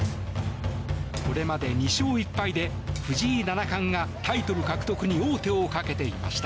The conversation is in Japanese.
これまで２勝１敗で藤井七冠がタイトル獲得に王手をかけていました。